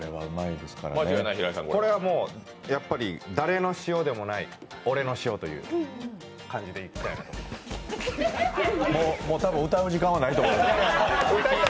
これはもう、誰の塩でもない俺の塩という感じでいきたいもう歌う時間はないと思う。